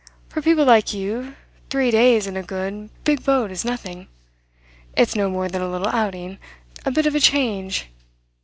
"For people like you, three days in a good, big boat is nothing. It's no more than a little outing, a bit of a change.